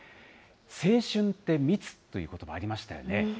青春って密っていうことばありましたよね。